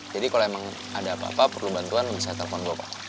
jadi kalau emang ada apa apa perlu bantuan bisa telfon gue pak